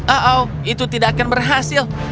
oh itu tidak akan berhasil